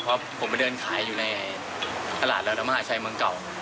เพราะผมไปเดินขายอยู่ในตลาดระดมหาชัยเมืองเก่า